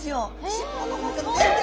尻尾の方から出て。